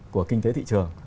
của kinh tế thị trường